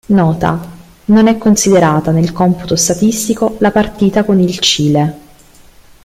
Nota: non è considerata nel computo statistico la partita con il Cile.